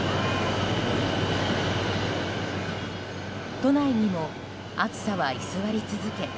都内にも暑さは居座り続け